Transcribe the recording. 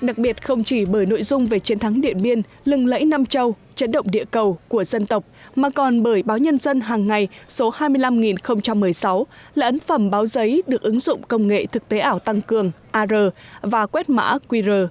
đặc biệt không chỉ bởi nội dung về chiến thắng điện biên lừng lẫy nam châu chấn động địa cầu của dân tộc mà còn bởi báo nhân dân hàng ngày số hai mươi năm một mươi sáu là ấn phẩm báo giấy được ứng dụng công nghệ thực tế ảo tăng cường ar và quét mã qr